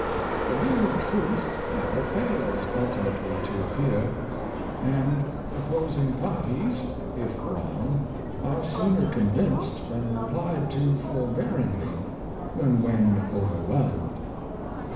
The real truth never fails ultimately to appear; and oppos ing parties, if wrong, are sooner convinced when re plied to forbearingly, than when overwhelmed.